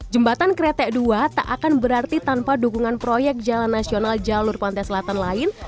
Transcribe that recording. jembatan kretek dua tak akan berarti tanpa dukungan proyek jalan nasional jalur pantai selatan lain